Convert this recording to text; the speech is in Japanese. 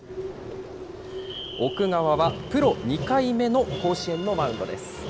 奥川はプロ２回目の甲子園のマウンドです。